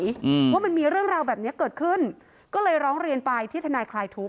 อืมว่ามันมีเรื่องราวแบบเนี้ยเกิดขึ้นก็เลยร้องเรียนไปที่ทนายคลายทุกข